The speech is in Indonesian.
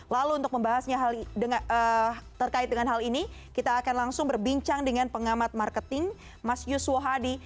lalu untuk membahasnya terkait dengan hal ini kita akan langsung berbincang dengan pengamat marketing mas yuswo hadi